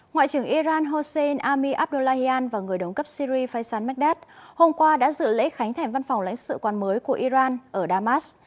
ngoại trưởng iran hossein ami abdullahian và người đồng cấp syri faisal mekdad hôm qua đã dự lễ khánh thẻn văn phòng lãnh sự quản mới của iran ở damas